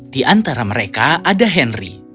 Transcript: di antara mereka ada henry